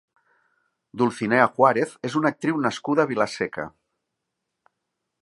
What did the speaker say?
Dulcinea Juárez és una actriu nascuda a Vila-seca.